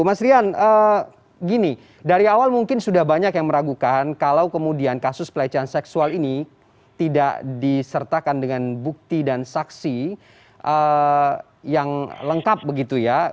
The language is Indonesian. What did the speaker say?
mas rian gini dari awal mungkin sudah banyak yang meragukan kalau kemudian kasus pelecehan seksual ini tidak disertakan dengan bukti dan saksi yang lengkap begitu ya